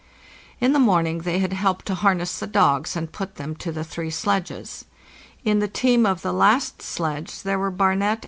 In the morning they had helped to harness the dogs and put them to the three sledges. In the team of the last sledge there were '" Barnet"?